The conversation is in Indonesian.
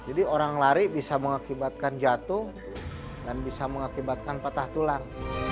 orang lari bisa mengakibatkan jatuh dan bisa mengakibatkan patah tulang